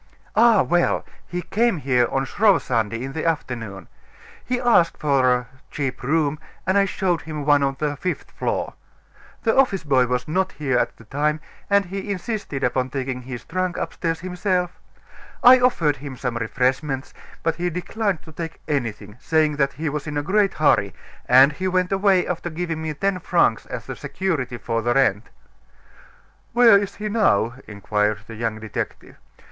"Ah, well! he came here on Shrove Sunday, in the afternoon. He asked for a cheap room, and I showed him one on the fifth floor. The office boy was not here at the time, and he insisted upon taking his trunk upstairs himself. I offered him some refreshments; but he declined to take anything, saying that he was in a great hurry; and he went away after giving me ten francs as security for the rent." "Where is he now?" inquired the young detective.